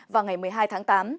vào ngày một mươi hai tháng tám